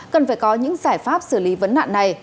cần phải có những giải pháp xử lý vấn nạn này